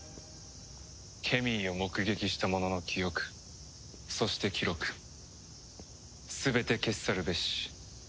ケミーを目撃した者の記憶そして記録全て消し去るべし。